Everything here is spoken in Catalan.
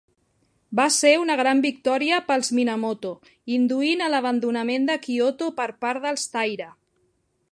Va ser una gran victòria pels Minamoto, induint a l'abandonament de Kyoto per part dels Taira.